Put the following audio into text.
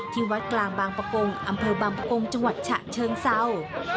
ที่วัดกลางบางประกงอำเภอบางปงจังหวัดฉะเชิงเศร้า